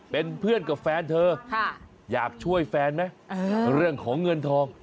เป็นเพื่อนกับแฟนเธออยากช่วยแฟนไหมเรื่องของเงินทอง